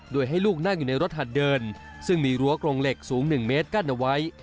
ด้วยให้ลูกนั่งอยู่ในรถหัดเดินซึ่งมีหัวกรงเหล็กฝุมหนึ่งเมตรกั้นไว้